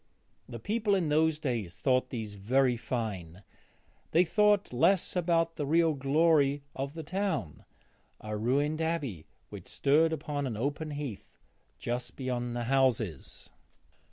The people in those days thought these very fine; they thought less about the real glory of the town a ruined abbey which stood upon an open heath just beyond the houses.